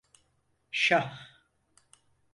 Şah!